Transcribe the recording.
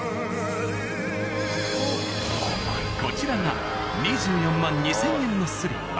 こちらが２４万２０００円のスリッパ。